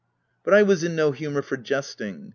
But I was in no humour for jesting.